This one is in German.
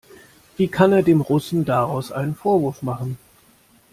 Wie kann er dem Russen daraus einen Vorwurf machen?